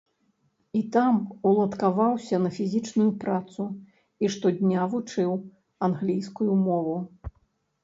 І там уладкаваўся на фізічную працу і штодня вучыў англійскую мову.